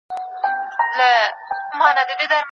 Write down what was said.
د دواړو سکتورونو همکاري ضرورت دی.